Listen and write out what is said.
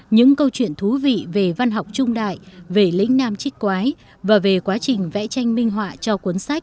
những câu chuyện thú vị về văn học trung đại về lĩnh nam trích quái và về quá trình vẽ tranh minh họa cho cuốn sách